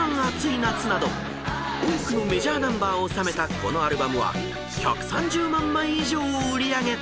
［多くのメジャーナンバーを収めたこのアルバムは１３０万枚以上を売り上げた］